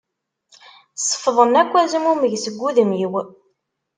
Sefḍen akk azmumeg seg wudem-iw.